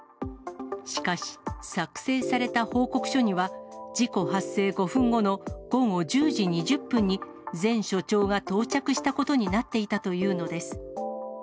しかし、作成された報告書には、事故発生５分後の午後１０時２０分に前署長が到着したことになっていたというのです。